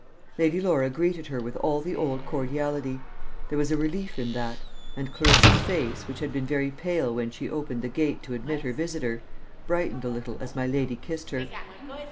Lady Laura greeted her with all the old cordiality. There was a relief in that; and Clarissa's face, which had been very pale when she opened the gate to admit her visitor, brightened a little as my lady kissed her.